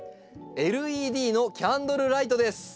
ＬＥＤのキャンドルライトです。